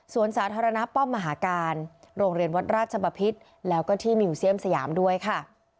ส่วนสาธารณะป้อมมหาการโรงเรียนวัดราชบพิษแล้วก็ที่มิวเซียมสยามด้วยค่ะ